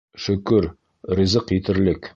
Шөкөр, ризыҡ етерлек...